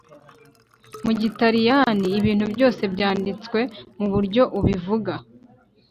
mu gitaliyani ibintu byose byanditswe muburyo ubivuga